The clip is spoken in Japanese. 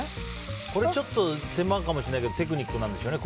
これちょっと手間かもしれないけどテクニックなんでしょうね。